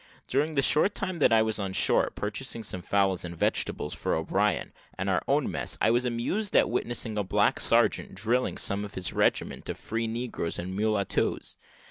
During the short time that I was on shore, purchasing some fowls and vegetables for O'Brien and our own mess, I was amused at witnessing a black sergeant drilling some of his regiment of free negroes and mulattoes.